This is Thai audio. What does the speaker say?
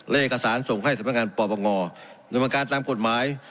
เลขสารส่งให้ศพลักการปอบประงอกดบังการตามกฎหมาย